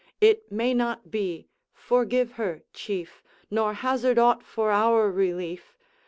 It may not be, forgive her, Chief, Nor hazard aught for our relief.